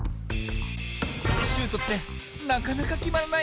シュートってなかなかきまらない。